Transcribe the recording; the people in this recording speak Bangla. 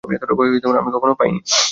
এতটা ভয় আমি কখনো পাইনি।